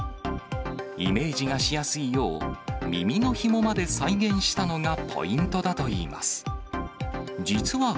イメージがしやすいよう、耳のひもまで再現したのがポイントだといいます。